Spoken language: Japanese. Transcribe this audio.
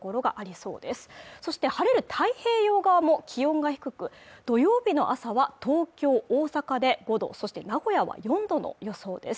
そして晴れる太平洋側も気温が低く土曜日の朝は東京・大阪で神戸そして名古屋は４度の予想です